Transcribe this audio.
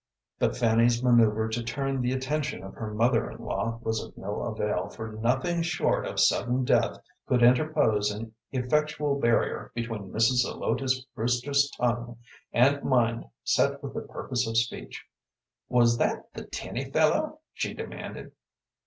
But Fanny's manoeuvre to turn the attention of her mother in law was of no avail, for nothing short of sudden death could interpose an effectual barrier between Mrs. Zelotes Brewster's tongue and mind set with the purpose of speech. "Was that the Tinny fellow?" she demanded.